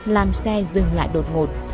làm xe dừng lại đột ngột